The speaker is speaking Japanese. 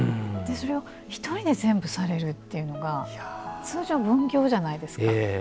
それを１人で全部されるっていうのが通常、分業じゃないですか。